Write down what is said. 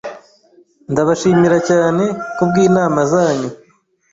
Ndabashimira cyane kubwinama zanyu.